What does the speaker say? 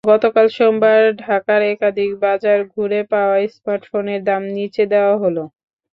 গতকাল সোমবার ঢাকার একাধিক বাজার ঘুরে পাওয়া স্মার্টফোনের দাম নিচে দেওয়া হলো।